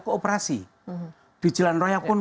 kooperasi di jalan raya pun